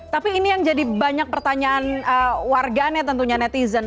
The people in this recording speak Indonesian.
tapi ini yang jadi banyak pertanyaan warganet tentunya netizen